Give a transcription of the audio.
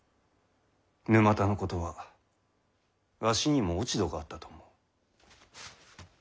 沼田のことはわしにも落ち度があったと思う。